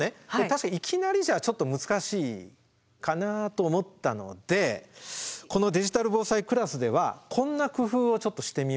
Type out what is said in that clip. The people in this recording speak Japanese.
確かにいきなりじゃちょっと難しいかなと思ったのでこの「デジタル防災クラス」ではこんな工夫をちょっとしてみました。